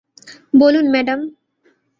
বলুন, ম্যাডাম।